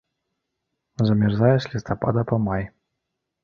Замярзае з лістапада па май.